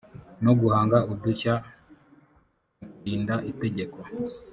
no guhanga udushya mu kurinda itegeko